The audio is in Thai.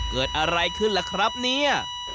เกิดอะไรขึ้นล่ะครับเนี่ย